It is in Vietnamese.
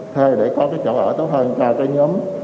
thuê để có cái chỗ ở tốt hơn cho cái nhóm